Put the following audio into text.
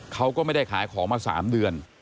เขาก็ไม่ได้ขายของมา๓เดือน